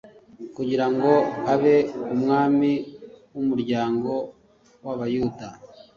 kugira ngo abe umwami w’umuryango w’Abayuda